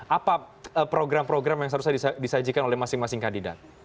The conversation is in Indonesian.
apa program program yang seharusnya disajikan oleh masing masing kandidat